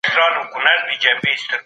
د کیبورډ کارول تمرین ته اړتیا لري.